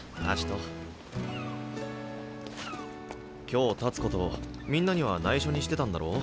今日たつことをみんなにはないしょにしてたんだろ？